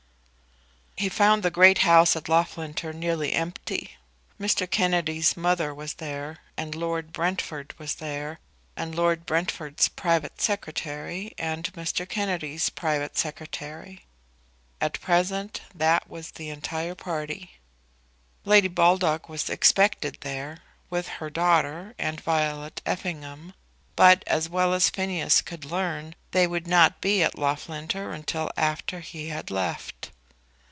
He found the great house at Loughlinter nearly empty. Mr. Kennedy's mother was there, and Lord Brentford was there, and Lord Brentford's private secretary, and Mr. Kennedy's private secretary. At present that was the entire party. Lady Baldock was expected there, with her daughter and Violet Effingham; but, as well as Phineas could learn, they would not be at Loughlinter until after he had left it.